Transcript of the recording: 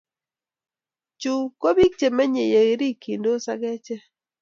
Chu kopik che mennye yerikindos ak achek.